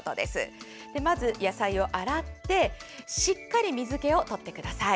まず野菜を洗ってしっかり水けをとってください。